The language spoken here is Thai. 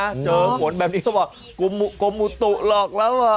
้าเจอผลแบบนี้จะบอกกรมอุตุหรอกแล้วอะ